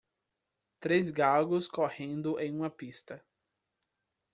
Três galgos correndo em uma pista